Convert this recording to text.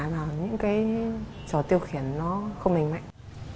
và những cái trò tiêu khiển nó không hành mạnh